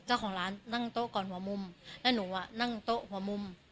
เจ้าของร้านนั่งโต๊ะก่อนหัวมุมแล้วหนูอ่ะนั่งโต๊ะหัวมุม